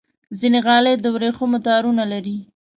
ځینې غالۍ د ورېښمو تارونو لري.